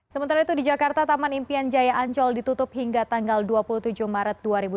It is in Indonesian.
sementara itu di jakarta taman impian jaya ancol ditutup hingga tanggal dua puluh tujuh maret dua ribu dua puluh